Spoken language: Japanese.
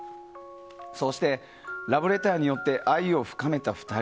そうしてラブレターによって愛を深めた２人。